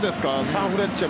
サンフレッチェ